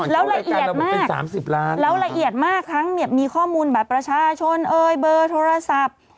แล้วละเอียดมาก๓๐ล้านแล้วละเอียดมากทั้งมีข้อมูลบัตรประชาชนเอ่ยเบอร์โทรศัพท์